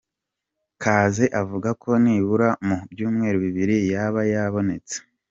Kaze avuga ko nibura mu byumweru bibiri yaba yabonetse.